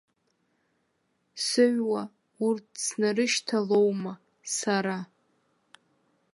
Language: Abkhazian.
Сыҩуа урҭ снарышьҭалоума сара.